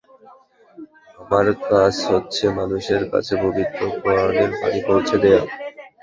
আমার কাজ হচ্ছে মানুষের কাছে পবিত্র কোরআনের বাণী পৌঁছে দেওয়া।